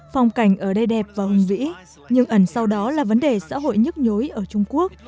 phong cảnh ở đây đẹp và hùng vĩ nhưng ẩn sau đó là vấn đề xã hội nhức nhối ở trung quốc